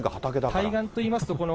対岸といいますと。